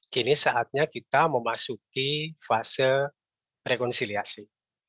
kini saatnya kita memasuki fase rekonsiliasi